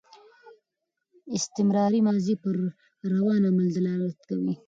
استمراري ماضي پر روان عمل دلالت کوي.